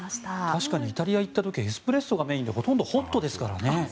確かにイタリア行った時エスプレッソがメインでほとんどホットですからね。